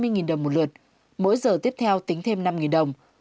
giá trong giữ là hai mươi đồng một lượt mỗi giờ tiếp theo tính thêm năm đồng